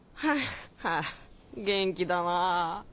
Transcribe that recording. ハァ元気だな